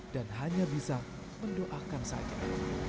dan hanya bisa mendoakan saja